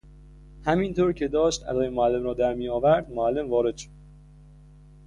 همین طور که داشت ادای معلم را در میآورد معلم وارد شد!